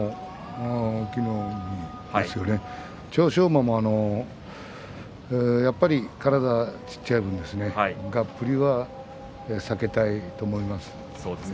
馬もやっぱり体が小さい分がっぷりは避けたいと思います。